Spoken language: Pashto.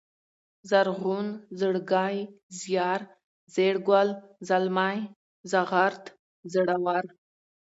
زرغون ، زړگی ، زيار ، زېړگل ، زلمی ، زغرد ، زړور